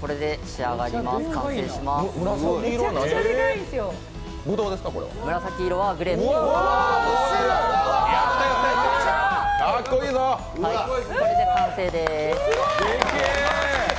これで完成です。